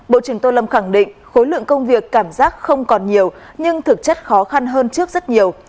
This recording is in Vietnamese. bộ trưởng tô lâm khẳng định khối lượng công việc cảm giác không còn nhiều nhưng thực chất khó khăn hơn trước rất nhiều